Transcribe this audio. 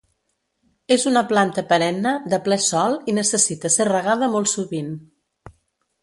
És una planta perenne de ple sol i necessita ser regada molt sovint.